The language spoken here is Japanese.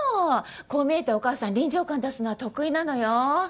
こう見えてお母さん臨場感出すのは得意なのよ。